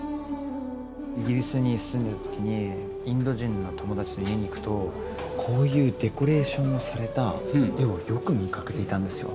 イギリスに住んでる時にインド人の友達の家に行くとこういうデコレーションされた絵をよく見かけていたんですよ。